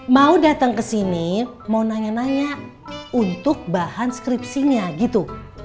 mau dateng kesini mau nanya nanya untuk bahan skripsinya gitu